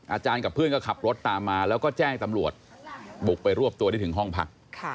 อาจารย์กับเพื่อนก็ขับรถตามมาแล้วก็แจ้งตำรวจบุกไปรวบตัวได้ถึงห้องพัก